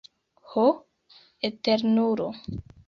Ho Eternulo!